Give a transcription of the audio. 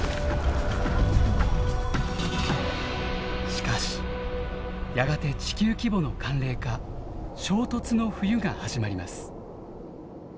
しかしやがて地球規模の寒冷化衝突の冬が始まります。